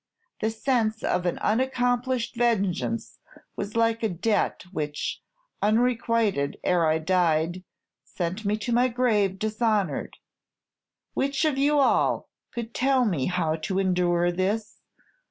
The sense of an unaccomplished vengeance was like a debt which, unrequited ere I died, sent me to my grave dishonored. Which of you all could tell me how to endure this?